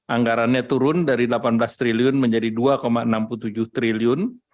anggarannya turun dari delapan belas triliun menjadi dua enam puluh tujuh triliun